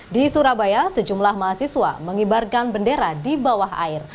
di surabaya sejumlah mahasiswa mengibarkan bendera di bawah air